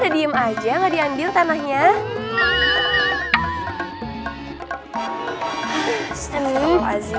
diam aja ngambil tanahnya